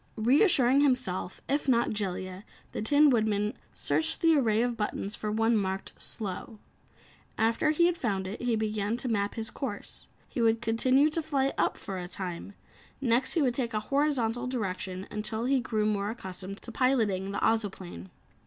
Reassuring himself, if not Jellia, the Tin Woodman searched the array of buttons for one marked "slow." After he had found it, he slowly began to map his course. He would continue to fly up, for a time. Next he would take a horizontal direction until he grew more accustomed to piloting the Ozoplane.